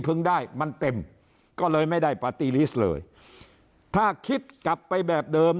พึงได้มันเต็มก็เลยไม่ได้เลยถ้าคิดกลับไปแบบเดิม